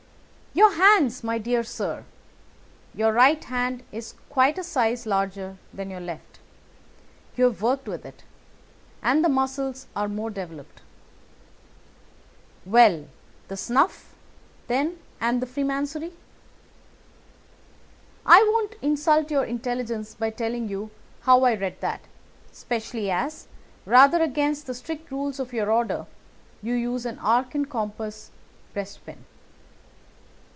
"Your hands, my dear sir. Your right hand is quite a size larger than your left. You have worked with it, and the muscles are more developed." "Well, the snuff, then, and the Freemasonry?" "I won't insult your intelligence by telling you how I read that, especially as, rather against the strict rules of your order, you use an arc and compass breastpin."